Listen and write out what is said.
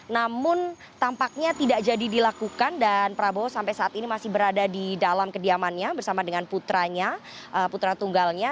namun tampaknya tidak jadi dilakukan dan prabowo sampai saat ini masih berada di dalam kediamannya bersama dengan putranya putra tunggalnya